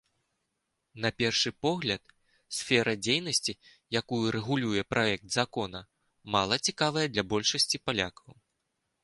На першы погляд, сфера дзейнасці, якую рэгулюе праект закона, мала цікавая для большасці палякаў.